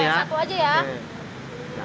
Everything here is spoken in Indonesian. boleh satu aja ya